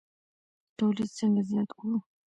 تولید څنګه زیات کړو؟